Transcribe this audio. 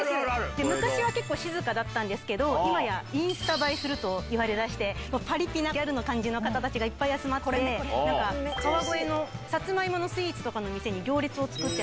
昔は結構静かだったんですけど今やインスタ映えするといわれパリピなギャルの感じの方たちがいっぱい集まって川越のサツマイモスイーツの店に行列を作って。